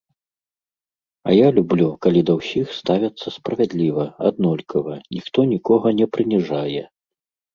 А я люблю, калі да ўсіх ставяцца справядліва, аднолькава, ніхто нікога не прыніжае.